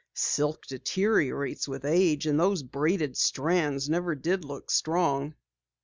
"Silk deteriorates with age, and those braided strands never did look strong."